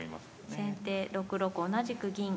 先手６六同じく銀。